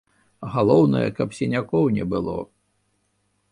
Галоўнае, каб сінякоў не было.